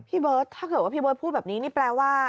พี่เบิร์ตถ้าเกิดว่าพี่เบิร์ตพูดแบบนี้นี่แปลว่า